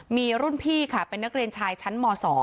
มีรุ่นพี่ค่ะเป็นนักเรียนชายชั้นม๒